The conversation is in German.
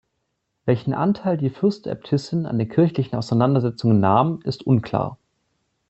Welchen Anteil die Fürstäbtissin an den kirchlichen Auseinandersetzungen nahm, ist unklar.